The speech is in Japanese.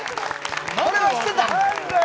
これは知ってた？